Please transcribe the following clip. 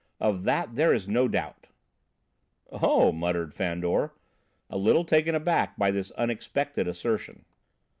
Of that there is no doubt." "Oh!" muttered Fandor, a little taken aback by this unexpected assertion.